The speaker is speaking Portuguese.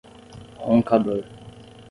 Roncador